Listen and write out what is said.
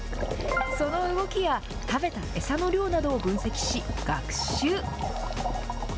その動きや食べた餌の量などを分析し、学習。